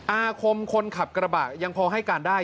อาคมคนขับกระบะยังพอให้การได้